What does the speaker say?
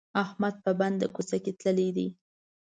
احمد په بنده کوڅه تللی دی.